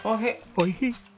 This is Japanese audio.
おいひい！